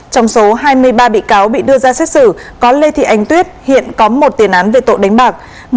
trong số hai mươi ba bị cáo bị đưa ra xét xử có lê thị ánh tuyết hiện có một tiền án về tội đánh bạc